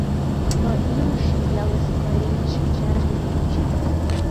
Но илышым ялысе марийын шинчаж дене ончем.